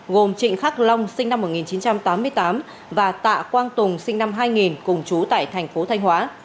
gồm trịnh khắc long sinh năm một nghìn chín trăm tám mươi tám và tạ quang tùng sinh năm hai nghìn cùng chú tại thành phố thanh hóa